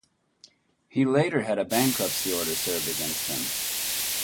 He later had a bankruptcy order served against him.